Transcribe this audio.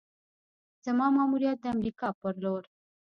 زما ماموریت د امریکا پر لور: